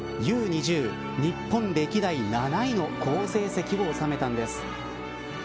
日本歴代７位の好成績を収めたんです。